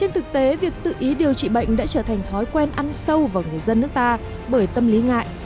trên thực tế việc tự ý điều trị bệnh đã trở thành thói quen ăn sâu vào người dân nước ta bởi tâm lý ngại